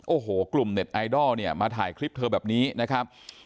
โอ้โหกลุ่มเน็ตไอดอลเนี่ยมาถ่ายคลิปเธอแบบนี้นะครับ